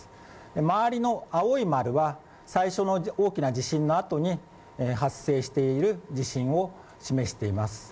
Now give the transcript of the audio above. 周りの青い丸は最初の大きな地震のあとに発生している地震を示しています。